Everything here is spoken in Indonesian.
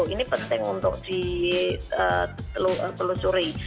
ini penting untuk ditelusuri